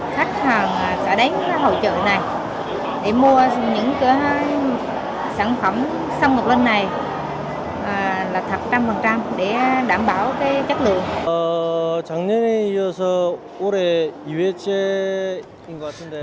khách hàng sẽ đến hội chợ này để mua những cái sản phẩm sâm ngọc linh này là thật trăm phần trăm để đảm bảo cái chất lượng